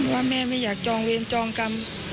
ว่าแม่ไม่อยากจองเวรจองกรรม